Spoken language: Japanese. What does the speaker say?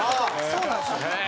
そうなんですよ。